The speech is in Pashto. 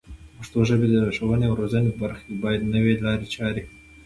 د پښتو ژبې د ښوونې او روزنې په برخه کې باید نوې لارې چارې